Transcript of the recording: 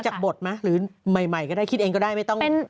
จากบทไหมหรือใหม่ก็ได้คิดเองก็ได้ไม่ต้อง